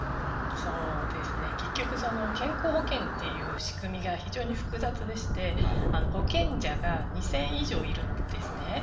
結局、健康保険という仕組みが複雑でして保険者が２０００以上いるんです。